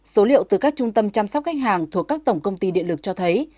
số liệu từ các trung tâm chăm sóc khách hàng thuộc các tổng công ty điện lực cho thấy